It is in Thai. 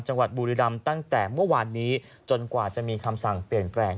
จังหวัดบุรีรำตั้งแต่เมื่อวานนี้จนกว่าจะมีคำสั่งเปลี่ยนแปลง